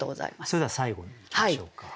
それでは最後にいきましょうか。